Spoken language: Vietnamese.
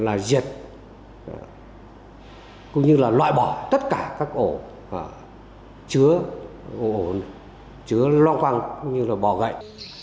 đồng hành viện pháp là diệt cũng như là loại bỏ tất cả các ổ chứa lo quang như là bỏ gậy